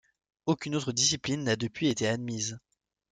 Aucune autre discipline n'a depuis été admise.